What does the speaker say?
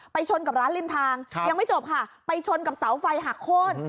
ชนกับร้านริมทางยังไม่จบค่ะไปชนกับเสาไฟหักโค้น